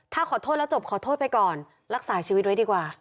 ถ้าขอโทษแล้วจบขอโทษไปก่อนรักษาชีวิตไว้ดีกว่า